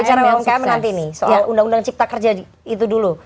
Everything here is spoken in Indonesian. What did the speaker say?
saya akan bicara umkm nanti nih soal undang undang cipta kerja itu dulu